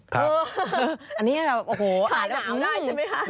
ครับคลายหนาวได้ใช่ไหมคะอันนี้แบบโอ้โหอื้ม